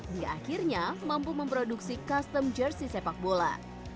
dia akhirnya mampu memproduksi custom jersey sepak bola